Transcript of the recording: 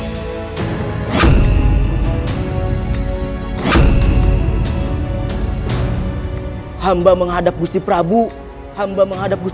dan thutmose dia dia yang lebih mudah dibestai hamba paman munding bulau